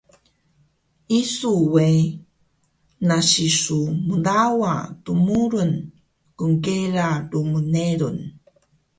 Isu we nasi su mlawa dmurun gnkela lmngelung